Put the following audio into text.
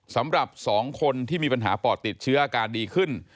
สำหรับ๒คนที่มีปัญหาปอดติดเชื้ออาการดีขึ้น